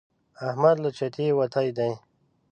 احمد له چتې وتی دی.